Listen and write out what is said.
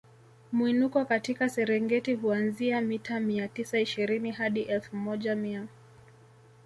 Mwinuko katika Serengeti huanzia mita mia tisa ishirini hadi elfu moja mia